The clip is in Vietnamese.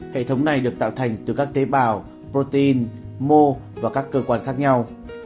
hệ thống này được tạo thành từ các tế bào protein mô và các cơ quan khác nhau